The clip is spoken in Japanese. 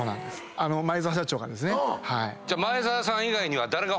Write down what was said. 前澤社長がですね。